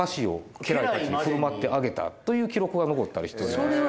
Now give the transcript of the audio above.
という記録が残ったりしております。